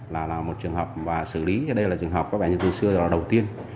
là một trường hợp và xử lý đây là trường hợp có vẻ như từ xưa là đầu tiên